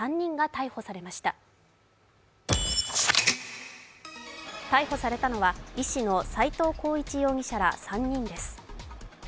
逮捕されたのは、医師の斉藤浩一容疑者ら３人です。